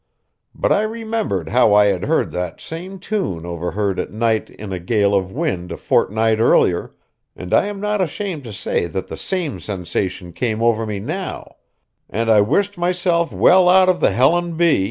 But I remembered how I had heard that same tune overhead at night in a gale of wind a fortnight earlier, and I am not ashamed to say that the same sensation came over me now, and I wished myself well out of the _Helen B.